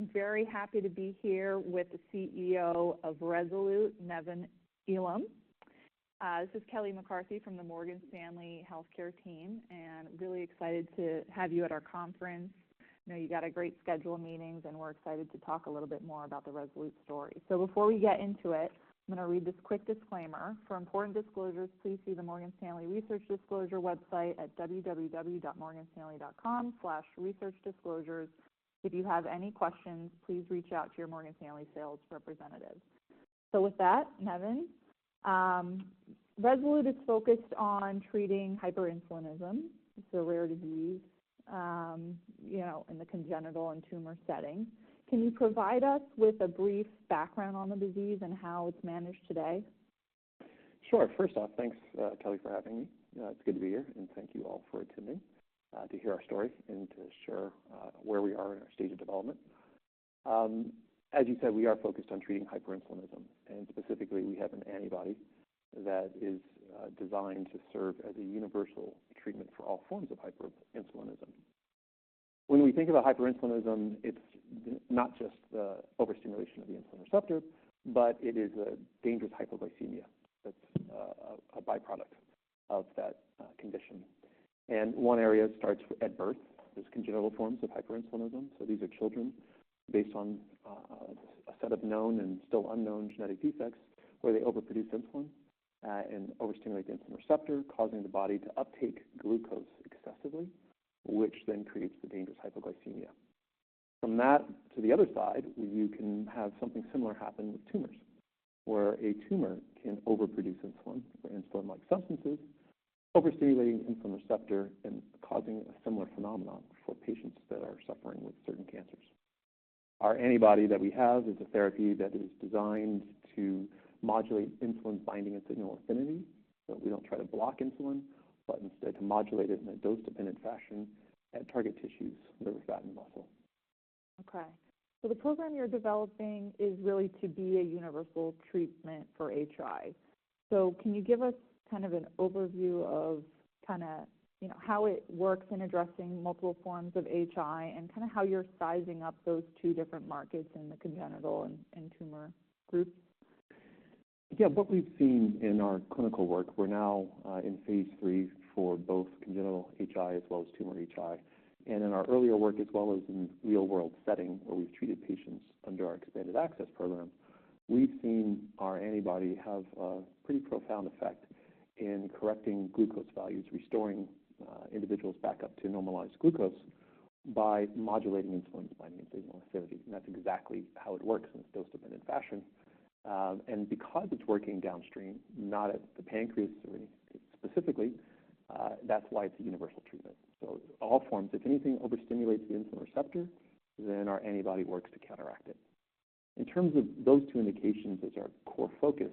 I'm very happy to be here with the CEO of Rezolute, Nevan Elam. This is Kelly McCarthy from the Morgan Stanley Healthcare team, and really excited to have you at our conference. I know you got a great schedule of meetings, and we're excited to talk a little bit more about the Rezolute story. So before we get into it, I'm going to read this quick disclaimer. For important disclosures, please see the Morgan Stanley Research Disclosure website at www.morganstanley.com/researchdisclosures. If you have any questions, please reach out to your Morgan Stanley sales representative. So with that, Nevan, Rezolute is focused on treating hyperinsulinism, so rare disease in the congenital and tumor setting. Can you provide us with a brief background on the disease and how it's managed today? Sure. First off, thanks, Kelly, for having me. It's good to be here, and thank you all for attending to hear our story and to share where we are in our stage of development. As you said, we are focused on treating hyperinsulinism, and specifically, we have an antibody that is designed to serve as a universal treatment for all forms of hyperinsulinism. When we think about hyperinsulinism, it's not just the overstimulation of the insulin receptor, but it is a dangerous hypoglycemia that's a byproduct of that condition, and one area starts at birth. There's congenital forms of hyperinsulinism. So these are children based on a set of known and still unknown genetic defects where they overproduce insulin and overstimulate the insulin receptor, causing the body to uptake glucose excessively, which then creates the dangerous hypoglycemia. From that to the other side, you can have something similar happen with tumors, where a tumor can overproduce insulin or insulin-like substances, overstimulating the insulin receptor and causing a similar phenomenon for patients that are suffering with certain cancers. Our antibody that we have is a therapy that is designed to modulate insulin binding and signal affinity. So we don't try to block insulin, but instead to modulate it in a dose-dependent fashion at target tissues, liver fat and muscle. Okay, so the program you're developing is really to be a universal treatment for HI, so can you give us kind of an overview of kind of how it works in addressing multiple forms of HI and kind of how you're sizing up those two different markets in the congenital and tumor groups? Yeah. What we've seen in our clinical work, we're now in phase III for both congenital HI as well as tumor HI. And in our earlier work, as well as in real-world setting where we've treated patients under our expanded access program, we've seen our antibody have a pretty profound effect in correcting glucose values, restoring individuals back up to normalized glucose by modulating insulin binding and signal affinity. And that's exactly how it works in this dose-dependent fashion. And because it's working downstream, not at the pancreas specifically, that's why it's a universal treatment. So all forms, if anything, overstimulates the insulin receptor, then our antibody works to counteract it. In terms of those two indications as our core focus,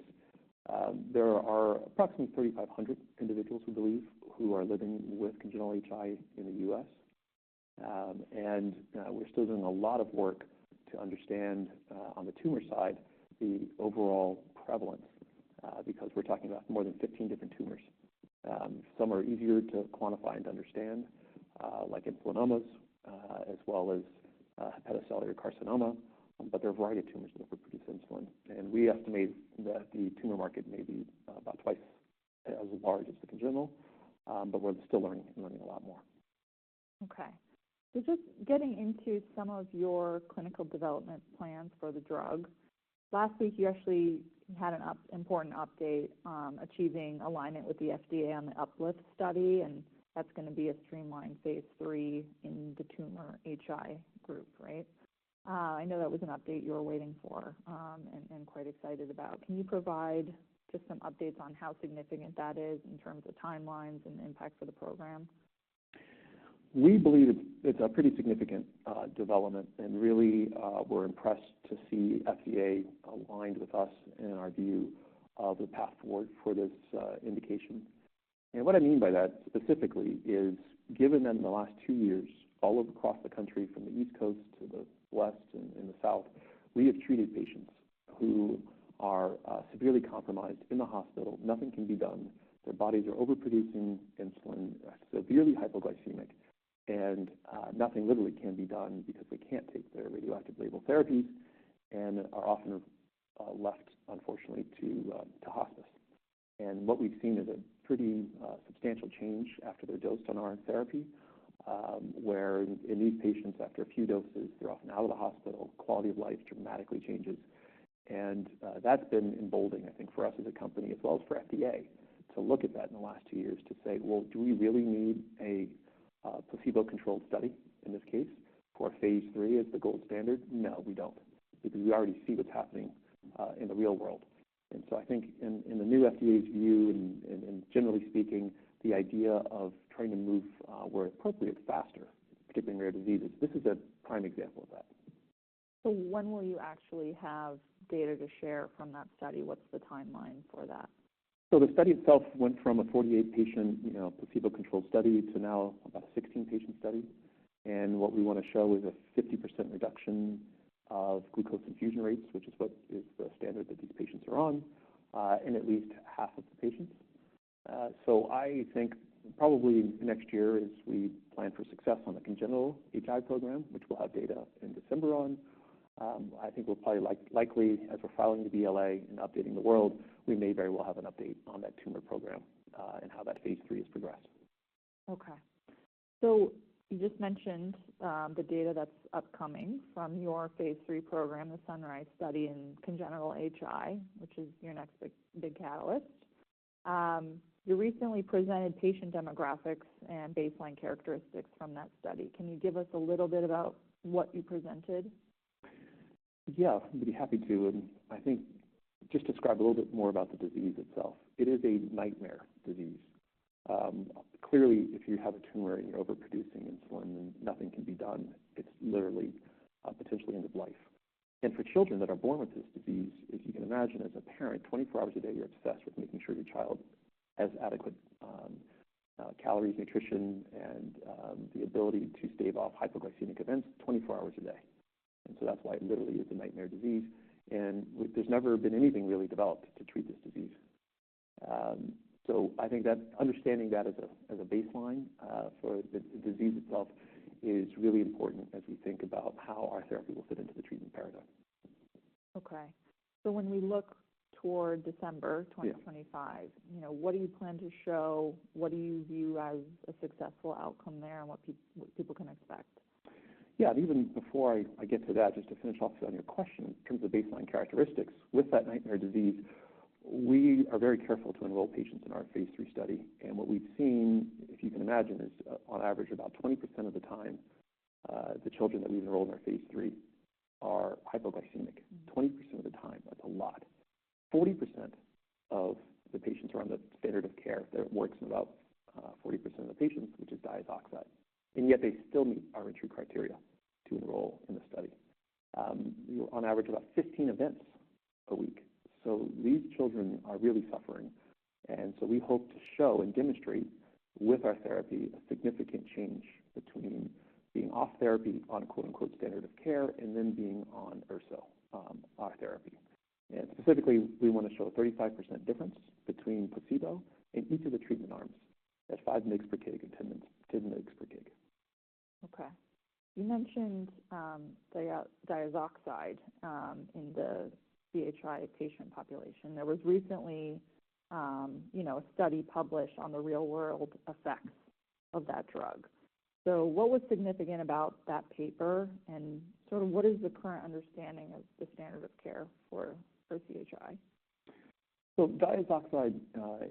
there are approximately 3,500 individuals who we believe are living with congenital HI in the U.S. We're still doing a lot of work to understand on the tumor side the overall prevalence because we're talking about more than 15 different tumors. Some are easier to quantify and to understand, like insulinomas as well as hepatocellular carcinoma, but there are a variety of tumors that overproduce insulin. We estimate that the tumor market may be about twice as large as the congenital, but we're still learning a lot more. Okay. So just getting into some of your clinical development plans for the drug, last week you actually had an important update on achieving alignment with the FDA on the UPLIFT study, and that's going to be a streamlined phase III in the tumor HI group, right? I know that was an update you were waiting for and quite excited about. Can you provide just some updates on how significant that is in terms of timelines and the impact for the program? We believe it's a pretty significant development, and really we're impressed to see FDA aligned with us and our view of the path forward for this indication. And what I mean by that specifically is given that in the last two years, all across the country from the East Coast to the West and the South, we have treated patients who are severely compromised in the hospital. Nothing can be done. Their bodies are overproducing insulin, severely hypoglycemic, and nothing literally can be done because they can't take their radioactive label therapies and are often left, unfortunately, to hospice. And what we've seen is a pretty substantial change after their dose on our therapy, where in these patients, after a few doses, they're often out of the hospital. Quality of life dramatically changes. That's been emboldening, I think, for us as a company as well as for FDA to look at that in the last two years to say, "Well, do we really need a placebo-controlled study in this case for phase III as the gold standard?" No, we don't because we already see what's happening in the real world. So I think in the new FDA's view, and generally speaking, the idea of trying to move where appropriate faster, particularly in rare diseases, this is a prime example of that. So when will you actually have data to share from that study? What's the timeline for that? The study itself went from a 48-patient placebo-controlled study to now about a 16-patient study. What we want to show is a 50% reduction of glucose infusion rates, which is what is the standard that these patients are on, in at least half of the patients. I think probably next year, as we plan for success on the congenital HI program, which we'll have data in December on. I think we'll probably likely, as we're filing the BLA and updating the world, we may very well have an update on that tumor program and how that phase III has progressed. Okay. So you just mentioned the data that's upcoming from your phase III program, the SUNRISE study in congenital HI, which is your next big catalyst. You recently presented patient demographics and baseline characteristics from that study. Can you give us a little bit about what you presented? Yeah. I'd be happy to, and I think just describe a little bit more about the disease itself. It is a nightmare disease. Clearly, if you have a tumor and you're overproducing insulin, then nothing can be done. It's literally a potential end of life. For children that are born with this disease, as you can imagine, as a parent, 24 hours a day, you're obsessed with making sure your child has adequate calories, nutrition, and the ability to stave off hypoglycemic events 24 hours a day, and so that's why it literally is a nightmare disease. There's never been anything really developed to treat this disease, so I think that understanding that as a baseline for the disease itself is really important as we think about how our therapy will fit into the treatment paradigm. Okay, so when we look toward December 2025, what do you plan to show? What do you view as a successful outcome there and what people can expect? Yeah. And even before I get to that, just to finish off on your question, in terms of baseline characteristics, with that nightmare disease, we are very careful to enroll patients in our phase III study. And what we've seen, if you can imagine, is on average about 20% of the time, the children that we've enrolled in our phase III are hypoglycemic. 20% of the time, that's a lot. 40% of the patients are on the standard of care. That works in about 40% of the patients, which is diazoxide. And yet they still meet our true criteria to enroll in the study. You're on average about 15 events a week. So these children are really suffering. And so we hope to show and demonstrate with our therapy a significant change between being off therapy on a "standard of care" and then being on RZ358, our therapy. Specifically, we want to show a 35% difference between placebo and each of the treatment arms, at 5 mg per kg and 10 mg per kg. Okay. You mentioned diazoxide in the CHI patient population. There was recently a study published on the real-world effects of that drug. So what was significant about that paper and sort of what is the current understanding of the standard of care for CHI? So diazoxide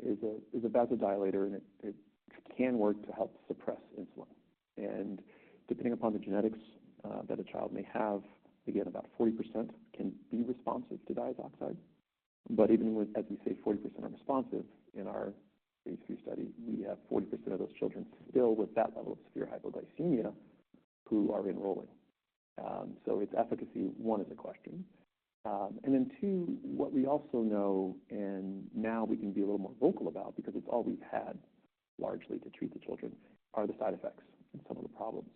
is a vasodilator, and it can work to help suppress insulin. And depending upon the genetics that a child may have, again, about 40% can be responsive to diazoxide. But even as we say 40% are responsive in our phase III study, we have 40% of those children still with that level of severe hypoglycemia who are enrolling. So its efficacy, one, is a question. And then two, what we also know, and now we can be a little more vocal about because it's all we've had largely to treat the children, are the side effects and some of the problems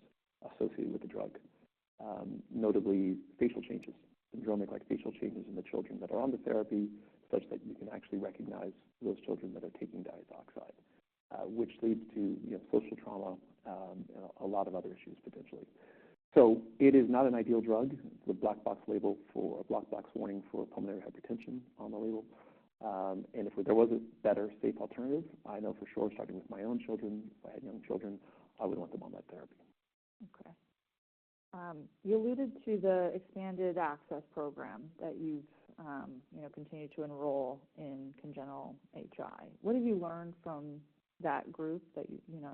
associated with the drug, notably facial changes, syndromic-like facial changes in the children that are on the therapy, such that you can actually recognize those children that are taking diazoxide, which leads to social trauma and a lot of other issues potentially. It is not an ideal drug. It has a black box warning for pulmonary hypertension on the label. If there was a better, safe alternative, I know for sure, starting with my own children, if I had young children, I would want them on that therapy. Okay. You alluded to the expanded access program that you've continued to enroll in congenital HI. What have you learned from that group that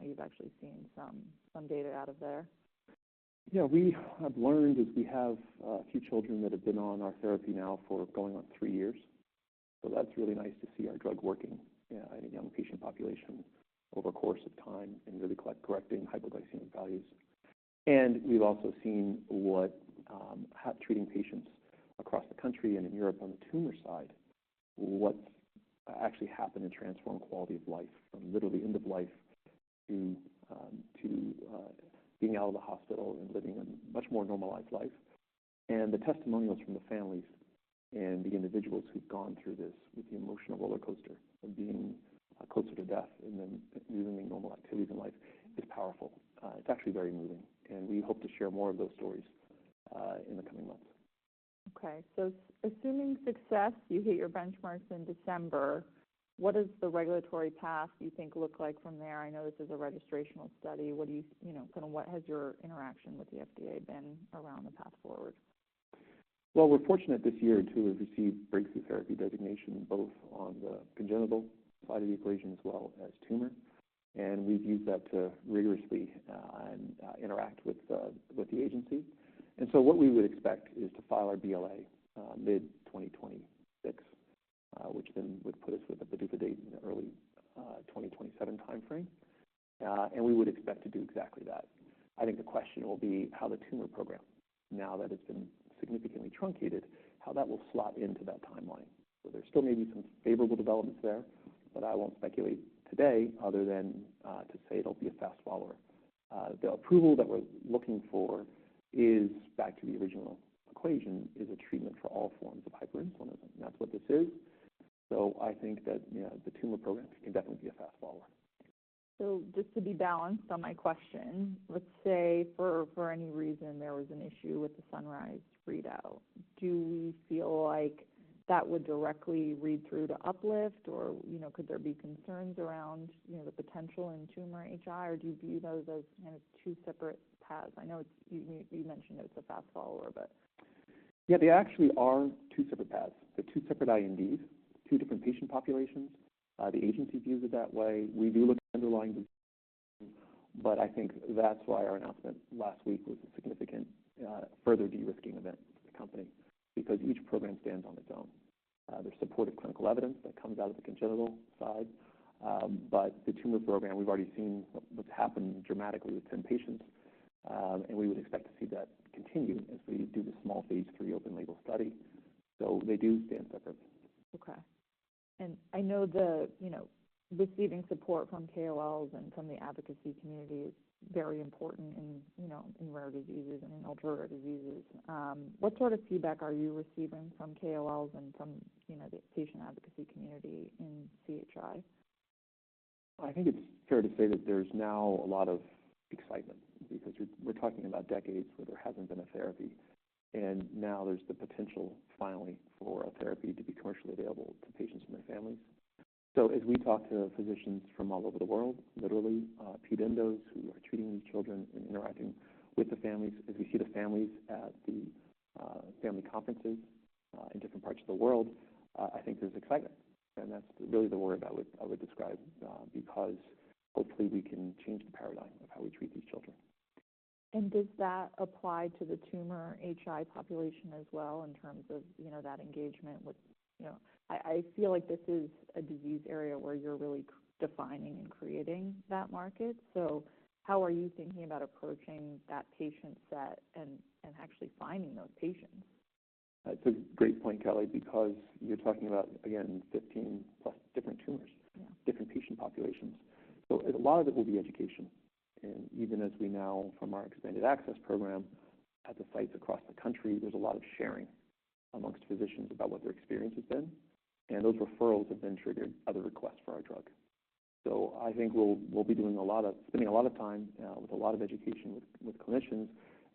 you've actually seen some data out of there? Yeah. We have learned as we have a few children that have been on our therapy now for going on three years. So that's really nice to see our drug working in a young patient population over a course of time and really correcting hypoglycemic values. And we've also seen what treating patients across the country and in Europe on the tumor side, what's actually happened to transform quality of life from literally end of life to being out of the hospital and living a much more normalized life. And the testimonials from the families and the individuals who've gone through this with the emotional roller coaster of being closer to death and then resuming normal activities in life is powerful. It's actually very moving. And we hope to share more of those stories in the coming months. Okay. So assuming success, you hit your benchmarks in December, what does the regulatory path, you think, look like from there? I know this is a registrational study. What has your interaction with the FDA been around the path forward? Well, we're fortunate this year to have received Breakthrough Therapy designation both on the congenital side of the equation as well as tumor. And we've used that to rigorously interact with the agency. And so what we would expect is to file our BLA mid-2026, which then would put us with a PDUFA date in the early 2027 timeframe. And we would expect to do exactly that. I think the question will be how the tumor program, now that it's been significantly truncated, how that will slot into that timeline. So there still may be some favorable developments there, but I won't speculate today other than to say it'll be a fast follower. The approval that we're looking for is, back to the original equation, a treatment for all forms of hyperinsulinism. That's what this is. So I think that the tumor program can definitely be a fast follower. So just to be balanced on my question, let's say for any reason there was an issue with the SUNRISE readout, do we feel like that would directly read through to UPLIFT, or could there be concerns around the potential in tumor HI, or do you view those as kind of two separate paths? I know you mentioned it's a fast follower, but. Yeah. They actually are two separate paths. They're two separate INDs, two different patient populations. The agency views it that way. We do look at underlying disease, but I think that's why our announcement last week was a significant further de-risking event for the company because each program stands on its own. There's supportive clinical evidence that comes out of the congenital side. But the tumor program, we've already seen what's happened dramatically with 10 patients, and we would expect to see that continue as we do the small phase III open label study. So they do stand separately. Okay, and I know receiving support from KOLs and from the advocacy community is very important in rare diseases and in ultra-rare diseases. What sort of feedback are you receiving from KOLs and from the patient advocacy community in CHI? I think it's fair to say that there's now a lot of excitement because we're talking about decades where there hasn't been a therapy, and now there's the potential finally for a therapy to be commercially available to patients and their families, so as we talk to physicians from all over the world, literally pediatric endocrinologists who are treating these children and interacting with the families, as we see the families at the family conferences in different parts of the world, I think there's excitement, and that's really the word I would describe because hopefully we can change the paradigm of how we treat these children. And does that apply to the tumor HI population as well in terms of that engagement with? I feel like this is a disease area where you're really defining and creating that market. So how are you thinking about approaching that patient set and actually finding those patients? That's a great point, Kelly, because you're talking about, again, 15 plus different tumors, different patient populations. So a lot of it will be education. And even as we now, from our expanded access program at the sites across the country, there's a lot of sharing among physicians about what their experience has been. And those referrals have then triggered other requests for our drug. So I think we'll be doing a lot of spending a lot of time with a lot of education with clinicians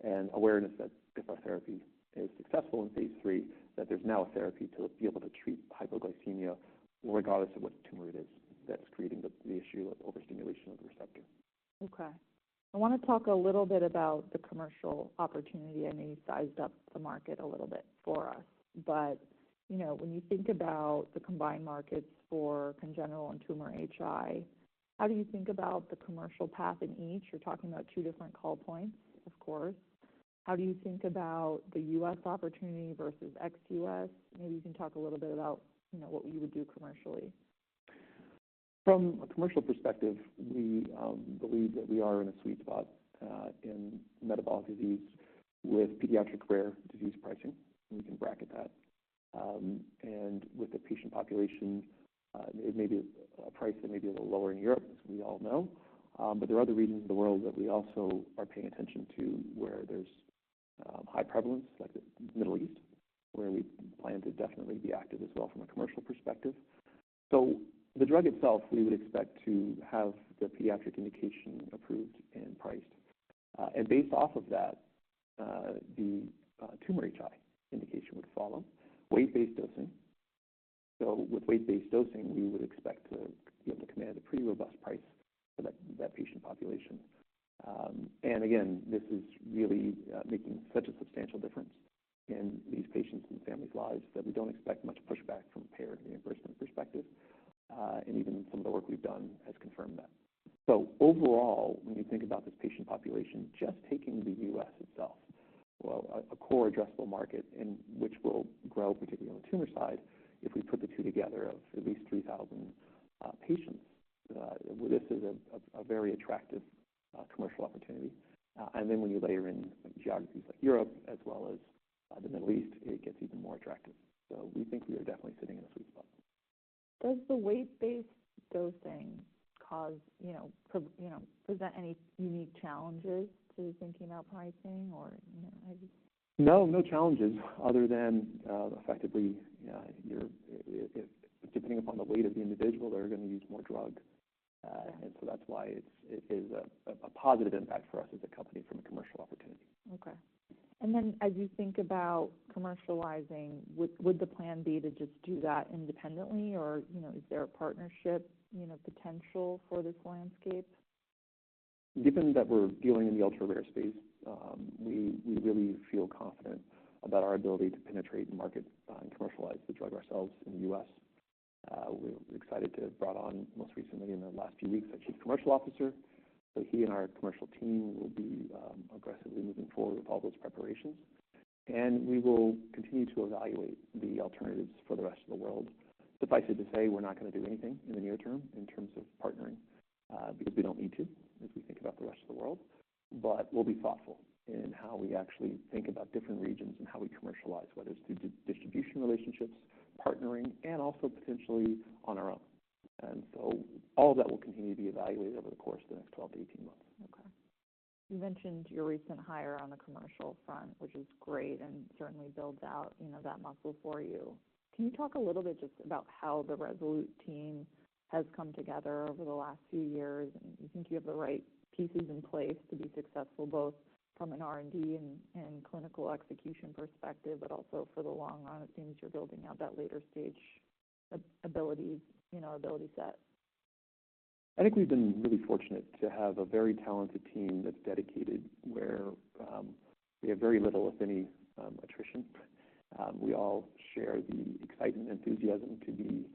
and awareness that if our therapy is successful in phase III, that there's now a therapy to be able to treat hypoglycemia regardless of what tumor it is that's creating the issue of overstimulation of the receptor. Okay. I want to talk a little bit about the commercial opportunity. I know you sized up the market a little bit for us. But when you think about the combined markets for congenital and tumor HI, how do you think about the commercial path in each? You're talking about two different call points, of course. How do you think about the U.S. opportunity versus ex-U.S.? Maybe you can talk a little bit about what you would do commercially. From a commercial perspective, we believe that we are in a sweet spot in metabolic disease with pediatric rare disease pricing. We can bracket that. And with the patient population, it may be a price that may be a little lower in Europe, as we all know. But there are other regions of the world that we also are paying attention to where there's high prevalence, like the Middle East, where we plan to definitely be active as well from a commercial perspective. So the drug itself, we would expect to have the pediatric indication approved and priced. And based off of that, the tumor HI indication would follow, weight-based dosing. So with weight-based dosing, we would expect to be able to command a pretty robust price for that patient population. And again, this is really making such a substantial difference in these patients' and families' lives that we don't expect much pushback from a payer reimbursement perspective. And even some of the work we've done has confirmed that. So overall, when you think about this patient population, just taking the U.S. itself, a core addressable market, which will grow particularly on the tumor side, if we put the two together of at least 3,000 patients, this is a very attractive commercial opportunity. And then when you layer in geographies like Europe as well as the Middle East, it gets even more attractive. So we think we are definitely sitting in a sweet spot. Does the weight-based dosing present any unique challenges to thinking about pricing, or? No, no challenges other than effectively, depending upon the weight of the individual, they're going to use more drug, and so that's why it is a positive impact for us as a company from a commercial opportunity. Okay, and then as you think about commercializing, would the plan be to just do that independently, or is there a partnership potential for this landscape? Given that we're dealing in the ultra-rare space, we really feel confident about our ability to penetrate the market and commercialize the drug ourselves in the U.S. We're excited to have brought on most recently in the last few weeks a chief commercial officer, so he and our commercial team will be aggressively moving forward with all those preparations, and we will continue to evaluate the alternatives for the rest of the world. Suffice it to say, we're not going to do anything in the near term in terms of partnering because we don't need to as we think about the rest of the world, but we'll be thoughtful in how we actually think about different regions and how we commercialize, whether it's through distribution relationships, partnering, and also potentially on our own. All of that will continue to be evaluated over the course of the next 12-18 months. Okay. You mentioned your recent hire on the commercial front, which is great and certainly builds out that muscle for you. Can you talk a little bit just about how the Rezolute team has come together over the last few years, and you think you have the right pieces in place to be successful both from an R&D and clinical execution perspective, but also for the long run, it seems you're building out that later stage ability set. I think we've been really fortunate to have a very talented team that's dedicated, where we have very little, if any, attrition. We all share the excitement and enthusiasm to be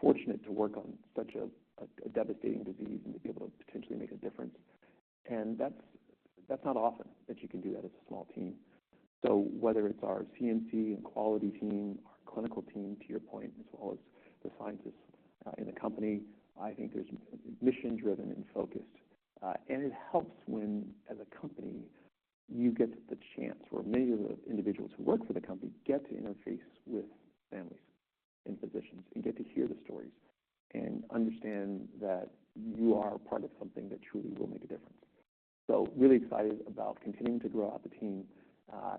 fortunate to work on such a devastating disease and to be able to potentially make a difference. And that's not often that you can do that as a small team. So whether it's our CMC and quality team, our clinical team, to your point, as well as the scientists in the company, I think there's mission-driven and focused. And it helps when, as a company, you get the chance where many of the individuals who work for the company get to interface with families and physicians and get to hear the stories and understand that you are part of something that truly will make a difference. So really excited about continuing to grow out the team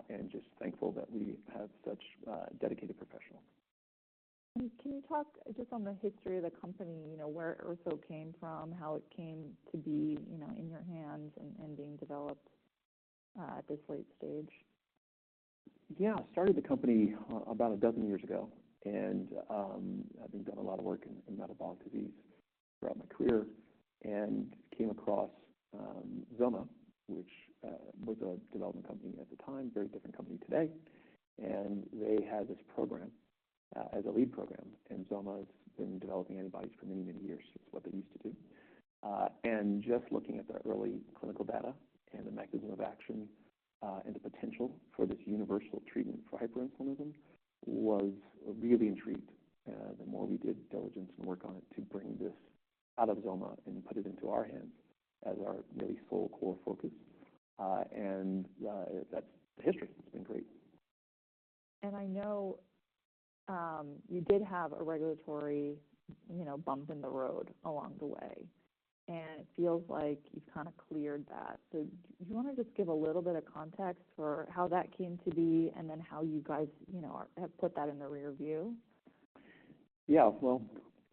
and just thankful that we have such dedicated professionals. Can you talk just on the history of the company, where it also came from, how it came to be in your hands and being developed at this late stage? Yeah. I started the company about a dozen years ago and I've done a lot of work in metabolic disease throughout my career and came across XOMA, which was a development company at the time, a very different company today. And they had this program as a lead program. And XOMA has been developing antibodies for many, many years. It's what they used to do. And just looking at the early clinical data and the mechanism of action and the potential for this universal treatment for hyperinsulinism was really intrigued. The more we did diligence and work on it to bring this out of XOMA and put it into our hands as our really sole core focus. And that's the history. It's been great. And I know you did have a regulatory bump in the road along the way. And it feels like you've kind of cleared that. So do you want to just give a little bit of context for how that came to be and then how you guys have put that in the rearview? Yeah. Well,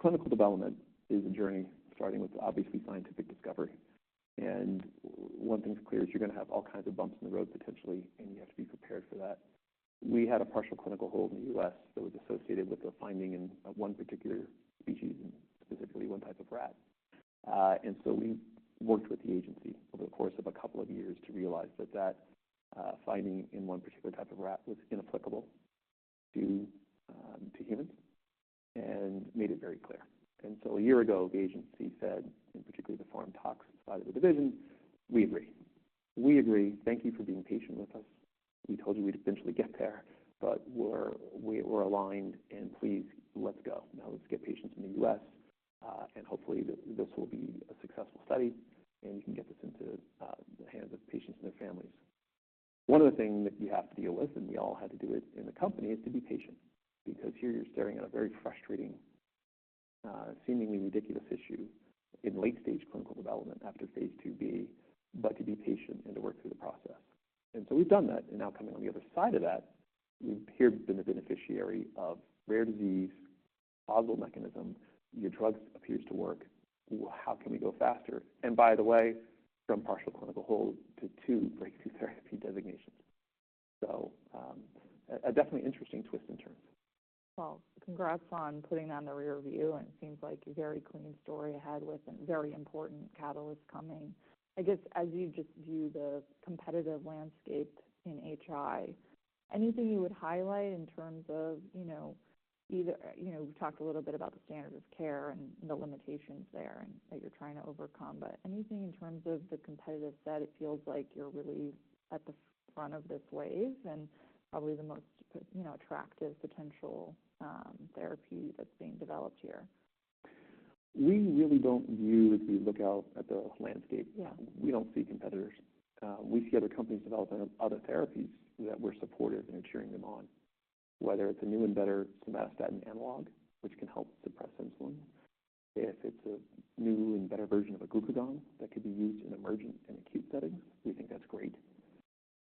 clinical development is a journey starting with, obviously, scientific discovery. And one thing's clear is you're going to have all kinds of bumps in the road potentially, and you have to be prepared for that. We had a partial clinical hold in the U.S. that was associated with the finding in one particular species, specifically one type of rat. And so we worked with the agency over the course of a couple of years to realize that that finding in one particular type of rat was inapplicable to humans and made it very clear. And so a year ago, the agency said, and particularly the pharmacology toxicology side of the division, "We agree. We agree. Thank you for being patient with us. We told you we'd eventually get there, but we're aligned. And please, let's go. Now let's get patients in the U.S. And hopefully, this will be a successful study, and you can get this into the hands of patients and their families." One other thing that you have to deal with, and we all had to do it in the company, is to be patient because here you're staring at a very frustrating, seemingly ridiculous issue in late-stage clinical development after phase 2b, but to be patient and to work through the process. And so we've done that. And now coming on the other side of that, we've here been the beneficiary of rare disease, causal mechanism. Your drug appears to work. How can we go faster? And by the way, from partial clinical hold to two breakthrough therapy designations. So a definitely interesting twist and turn. Congrats on putting that in the rearview. It seems like a very clean story ahead with a very important catalyst coming. I guess as you just view the competitive landscape in HI, anything you would highlight in terms of either we've talked a little bit about the standard of care and the limitations there that you're trying to overcome, but anything in terms of the competitive set? It feels like you're really at the front of this wave and probably the most attractive potential therapy that's being developed here. We really don't view if you look out at the landscape. We don't see competitors. We see other companies developing other therapies that we're supportive and cheering them on, whether it's a new and better somatostatin analog, which can help suppress insulin. If it's a new and better version of a glucagon that could be used in emergent and acute settings, we think that's great.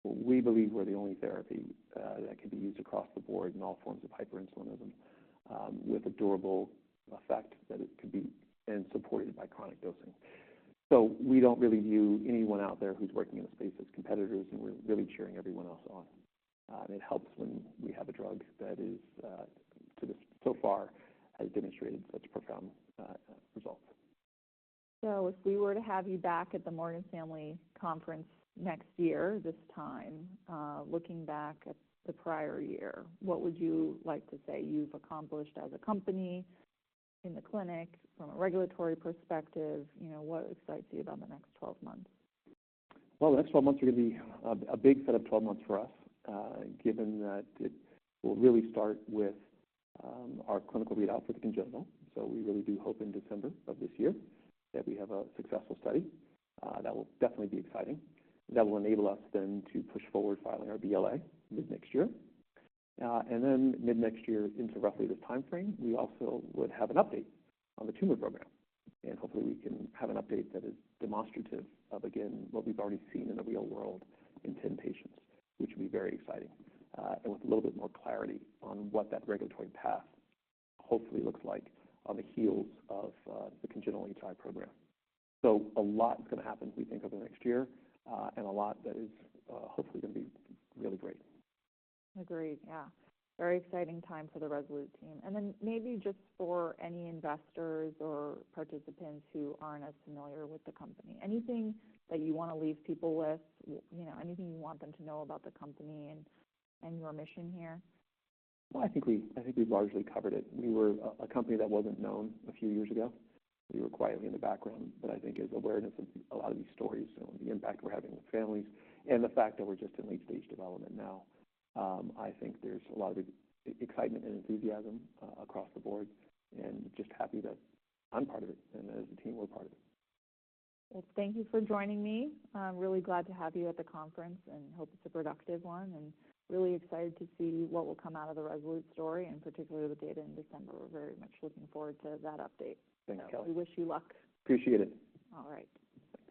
We believe we're the only therapy that can be used across the board in all forms of hyperinsulinism with a durable effect that it could be and supported by chronic dosing. So we don't really view anyone out there who's working in the space as competitors, and we're really cheering everyone else on. It helps when we have a drug that is, to this so far, has demonstrated such profound results. So if we were to have you back at the Morgan Stanley conference next year, this time, looking back at the prior year, what would you like to say you've accomplished as a company in the clinic from a regulatory perspective? What excites you about the next 12 months? The next 12 months are going to be a big set of 12 months for us, given that it will really start with our clinical readout for the congenital. We really do hope in December of this year that we have a successful study that will definitely be exciting, that will enable us then to push forward filing our BLA mid next year. Mid next year into roughly this time frame, we also would have an update on the tumor program. We can have an update that is demonstrative of, again, what we've already seen in the real world in 10 patients, which will be very exciting and with a little bit more clarity on what that regulatory path hopefully looks like on the heels of the congenital HI program. So a lot is going to happen, we think, over the next year and a lot that is hopefully going to be really great. Agreed. Yeah. Very exciting time for the Rezolute team. And then maybe just for any investors or participants who aren't as familiar with the company, anything that you want to leave people with, anything you want them to know about the company and your mission here? I think we've largely covered it. We were a company that wasn't known a few years ago. We were quietly in the background, but I think as awareness of a lot of these stories and the impact we're having with families and the fact that we're just in late-stage development now, I think there's a lot of excitement and enthusiasm across the board and just happy that I'm part of it. As a team, we're part of it. Thank you for joining me. I'm really glad to have you at the conference and hope it's a productive one and really excited to see what will come out of the Rezolute story and particularly the data in December. We're very much looking forward to that update. Thank you, Kelly. We wish you luck. Appreciate it. All right.